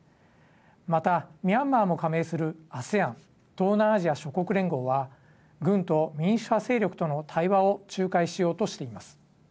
また、ミャンマーも加盟するＡＳＥＡＮ＝東南アジア諸国連合は軍と民主派勢力との対話を仲介しようとしています。